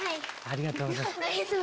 ありがとうございます。